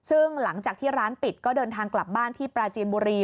ซึ่งหลังจากที่ร้านปิดก็เดินทางกลับบ้านที่ปราจีนบุรี